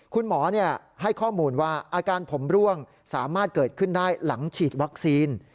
คุณหมอให้ข้อมูลว่าอาการผมร่วงสามารถเกิดขึ้นได้หลังฉีดวัคซีน